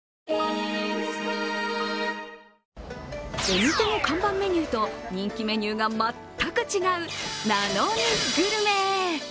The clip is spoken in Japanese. お店の看板メニューと人気メニューが全く違う「な・の・にグルメ」。